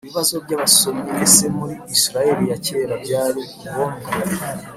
Ibibazo by abasomyi ese muri isirayeli ya kera byari ngombwa